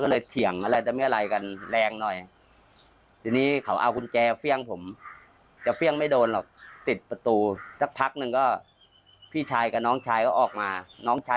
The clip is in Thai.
ลองฟังเขาเล่าหน่อยละกันค่ะ